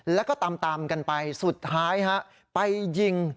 แล้วก็ตามกันไปสุดท้ายฮะไปยิง